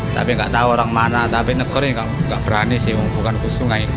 tapi nggak tahu orang mana tapi negara ini nggak berani sih bukan ke sungai itu semuanya orang banyak